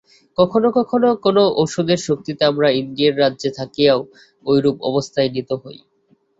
কখনও কখনও কোন ঔষধের শক্তিতে আমরা ইন্দ্রিয়ের রাজ্যে থাকিয়াও ঐরূপ অবস্থায় নীত হই।